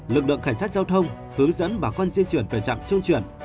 lực lượng cảnh sát giao thông hướng dẫn bà con di chuyển về trạm trung chuyển